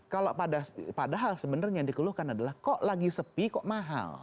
kalau padahal sebenarnya yang dikeluhkan adalah kok lagi sepi kok mahal